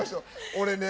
俺ね